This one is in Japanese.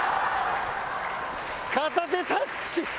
片手タッチ！